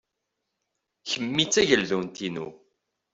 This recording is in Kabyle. Kemmi d tageldunt-inu.